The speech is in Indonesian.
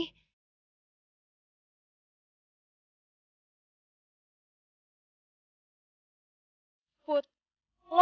gue selalu deket sama dewa